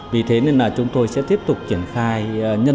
vì thế nên là chúng tôi sẽ tiếp tục triển khai nhân rộng cái mô hình này